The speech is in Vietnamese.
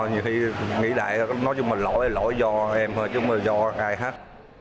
nhiều khi nghĩ lại nói cho mình lỗi lỗi do em thôi chứ không có do ai hết